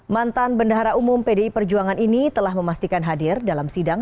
mantan bendahara umum pdi perjuangan ini telah memastikan hadir dalam sidang